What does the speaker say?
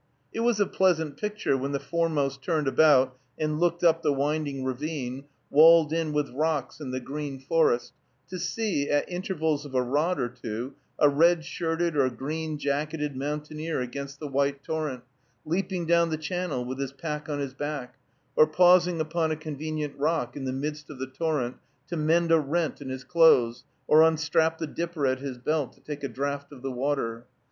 It was a pleasant picture when the foremost turned about and looked up the winding ravine, walled in with rocks and the green forest, to see, at intervals of a rod or two, a red shirted or green jacketed mountaineer against the white torrent, leaping down the channel with his pack on his back, or pausing upon a convenient rock in the midst of the torrent to mend a rent in his clothes, or unstrap the dipper at his belt to take a draught of the water.